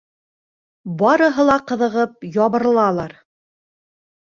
Барыһы ла ҡыҙығып ябырылалар.